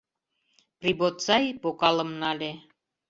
Прибоцаи бокалым нале.